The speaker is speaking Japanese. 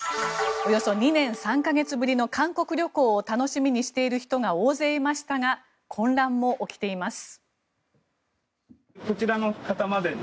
およそ２年３か月ぶりの韓国旅行を楽しみにしている人が大勢いましたが混乱も起きています。